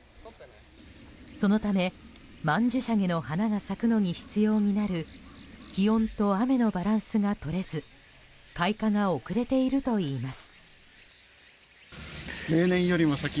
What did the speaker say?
そのため曼殊沙華の花が咲くのに必要になる気温と雨のバランスが取れず開花が遅れているといいます。